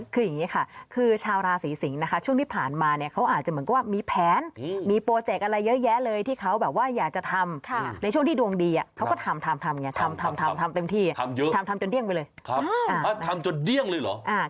คืออย่างนี้ค่ะคือชาวราศีสิงศ์นะคะช่วงที่ผ่านมาเนี่ยเขาอาจจะเหมือนกับว่ามีแผนมีโปรเจกต์อะไรเยอะแยะเลยที่เขาแบบว่าอยากจะทำในช่วงที่ดวงดีเขาก็ทำทำไงทำทำเต็มที่ทำเยอะทำทำจนเดี้ยงไปเลยทำจนเดี้ยงเลยเหรอ